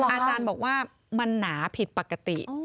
อาจารย์บอกว่ามันหนาผิดปกติ